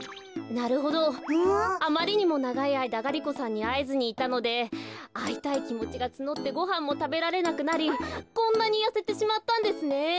なるほどあまりにもながいあいだガリ子さんにあえずにいたのであいたいきもちがつのってごはんもたべられなくなりこんなにやせてしまったんですね。